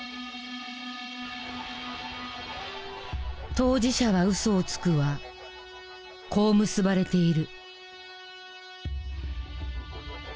「当事者は嘘をつく」はこう結ばれている。